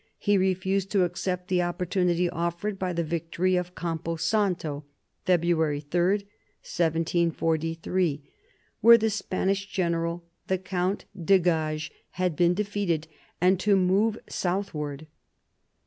He refused to accept the opportunity offered by the victory of Campo Santo (February 3, 1743), where the Spanish general the Count de Gages had been defeated, and to move south ward.